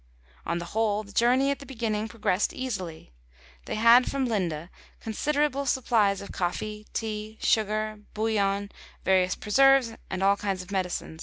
On the whole, the journey at the beginning progressed easily. They had from Linde considerable supplies of coffee, tea, sugar, bouillon, various preserves, and all kinds of medicine.